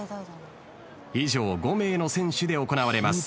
以上５名の選手で行われます